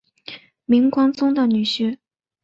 明光宗的女婿。